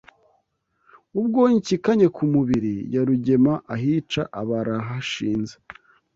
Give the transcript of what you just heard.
Ubwo Inshyikanya ku mubiri ya rugema ahica aba arahashinze